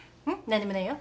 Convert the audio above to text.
何でもないよ。